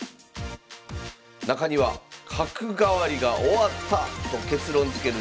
中には「角換わりが終わった」と結論づける将棋ソフトも。